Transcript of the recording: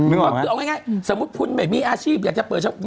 ก็คือเอาง่ายสมมุติคุณไม่มีอาชีพอยากจะเปิด